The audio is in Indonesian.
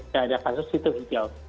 tidak ada kasus hitung hijau